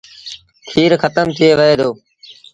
کير کتم ٿئي وهي دو۔